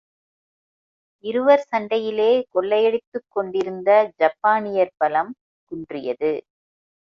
இருவர் சண்டையிலே கொள்ளையடித்துக் கொண்டிருந்த ஜப்பானியர் பலம் குன்றியது.